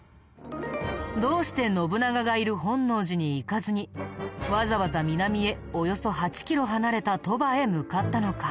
どうして信長がいる本能寺に行かずにわざわざ南へおよそ８キロ離れた鳥羽へ向かったのか？